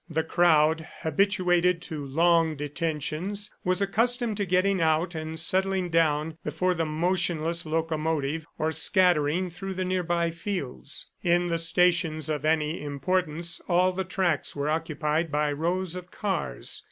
The crowd, habituated to long detentions, was accustomed to getting out and settling down before the motionless locomotive, or scattering through the nearby fields. In the stations of any importance all the tracks were occupied by rows of cars.